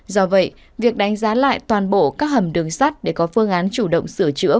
do vậy việc đánh giá lại toàn bộ các hầm đường sắt để có phương án chủ động sửa chữa